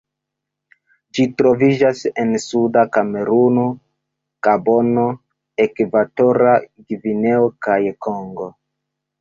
Ĝi troviĝas en suda Kameruno, Gabono, Ekvatora Gvineo, kaj Kongo.